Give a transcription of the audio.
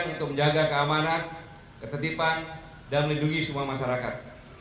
untuk menjaga keamanan ketertiban dan melindungi semua masyarakat